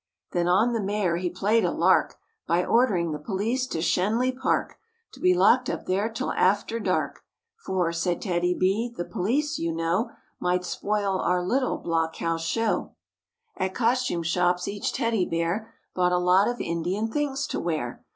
Then on the Mayor he played a lark By ordering the police to Schenley Park, To be locked up there till after dark; " For," said TEDDY B, " the police you know Might spoil our little Block House show 52 MORE ABOUT THE ROOSEVELT BEARS At costume shops each Teddy Bear Bought a lot of Indian things to wear.